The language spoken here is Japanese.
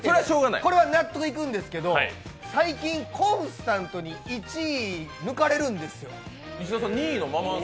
これは納得いくんですけど、最近、コンスタントに１位抜かれるんですよ。